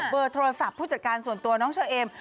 เบอร์โทรศัพท์ผู้จัดการส่วนตัวน้องเชอเอม